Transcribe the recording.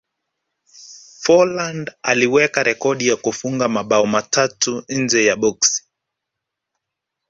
forlan aliweka rekodi ya kufunga mabao matatu nje ya boksi